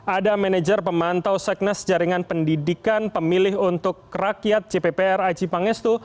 ada manajer pemantau seknes jaringan pendidikan pemilih untuk rakyat cppr aci pangestu